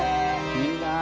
いいなあ。